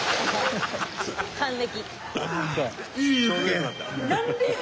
還暦。